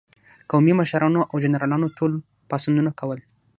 قومي مشرانو او جنرالانو ټول پاڅونونه کول.